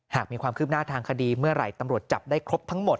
หากมีความคืบหน้าทางคดีเมื่อไหร่ตำรวจจับได้ครบทั้งหมด